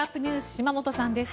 島本さんです。